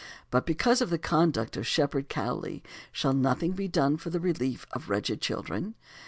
But because of the conduct of Shepherd Cowley shall nothing be done for the relief of wretched children?